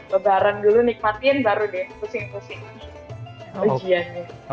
lebaran dulu nikmatin baru deh pusing pusing ujiannya